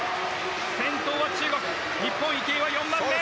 先頭は中国日本、池江は４番目。